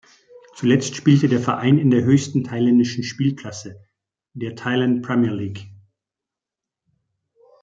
Zuletzt spielte der Verein in der höchsten thailändischen Spielklasse, der Thailand Premier League.